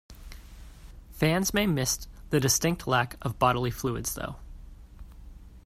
Fans may miss the distinct lack of bodily fluids though.